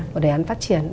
một đề án phát triển